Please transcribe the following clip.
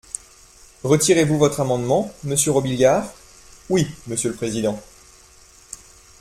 Retirez-vous votre amendement, monsieur Robiliard ? Oui, monsieur le président.